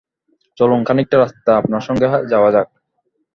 চলুন, খানিকটা রাস্তা আপনার সঙ্গে যাওয়া যাক।